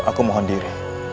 aku mohon diri